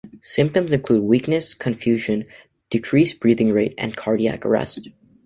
Symptoms include weakness, confusion, decreased breathing rate, and cardiac arrest.